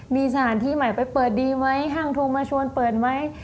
มีสถานที่ใหม่ไปเปิดดีไหมห้างโทรมาชวนเปิดไหม